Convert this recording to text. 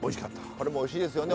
これもおいしいですよね